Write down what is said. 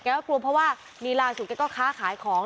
แกก็กลัวเพราะว่านิราศุแกก็ค้าขายของ